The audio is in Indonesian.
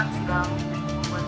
ini orang orang sudah subing